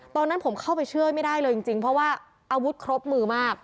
ตอนนั้นผมเข้าไปช่วยไม่ได้เลยจริงเพราะว่าอาวุธครบมือมาก